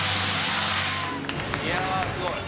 いやあすごい。